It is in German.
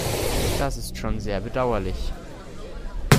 Das ist schon sehr bedauerlich.